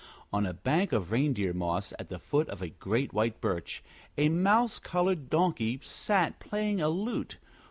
On a bank of reindeer moss, at the foot of a great white birch, a mouse colored donkey sat playing a lute.